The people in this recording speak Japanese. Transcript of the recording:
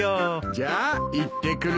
じゃあ行ってくる。